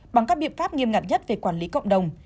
bằng các biện pháp nghiêm ngặt nhất về quản lý cộng đồng